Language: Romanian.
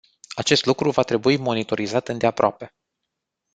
Acest lucru va trebui monitorizat îndeaproape.